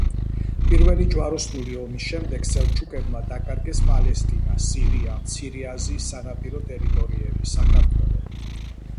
პირველი ჯვაროსნული ომის შემდეგ სელჩუკებმა დაკარგეს პალესტინა, სირია, მცირე აზიის სანაპირო ტერიტორიები, საქართველო.